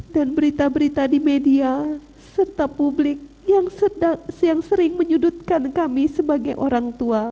dan berita berita di media serta publik yang sering menyudutkan kami sebagai orang tua